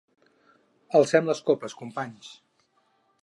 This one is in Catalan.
Alcem les copes companys!